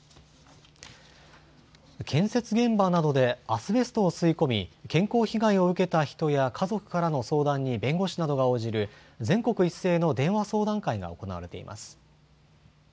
建設現場などでアスベストを吸い込み、健康被害を受けた人や家族からの相談に弁護士などが応じる全国一斉の電話相談会が行われています。